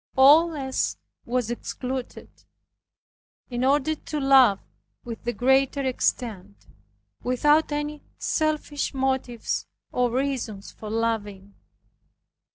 All else was excluded, in order to love with the greater extent, without any selfish motives or reasons for loving.